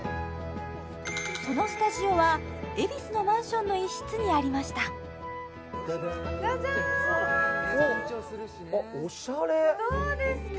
そのスタジオは恵比寿のマンションの一室にありましたじゃじゃーんおっあっどうですか？